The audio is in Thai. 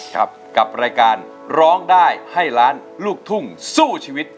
กับรายการร้องได้ให้ล้านลูกทุ่งสู้ชีวิต